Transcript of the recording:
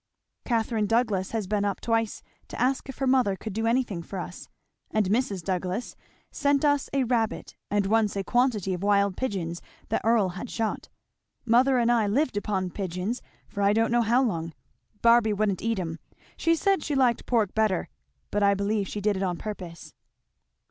"Catherine Douglass has been up twice to ask if her mother could do anything for us; and Mrs. Douglass sent us once a rabbit and once a quantity of wild pigeons that Earl had shot. Mother and I lived upon pigeons for I don't know how long. Barby wouldn't eat 'em she said she liked pork better; but I believe she did it on purpose."